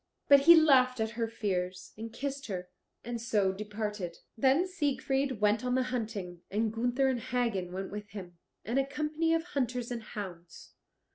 But he laughed at her fears, and kissed her, and so departed. Then Siegfried went on the hunting, and Gunther and Hagen went with him, and a company of hunters and hounds.